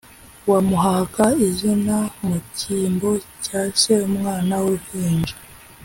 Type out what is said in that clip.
wamuhaga izina mu kimbo cya se. Umwana w’uruhinja